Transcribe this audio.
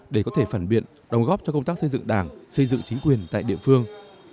để có thể phản biện đồng góp cho công tác xây dựng đảng xây dựng chính quyền tại địa phương